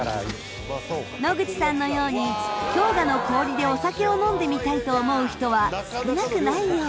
野口さんのように氷河の氷でお酒を飲んでみたいと思う人は少なくないよう。